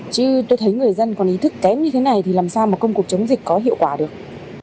chứ tôi thấy người dân còn ý thức kém như thế này thì làm sao mà công cuộc chống dịch có hiệu quả được